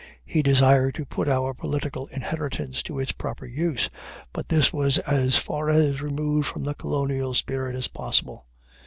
He desired to put our political inheritance to its proper use, but this was as far removed from the colonial spirit as possible.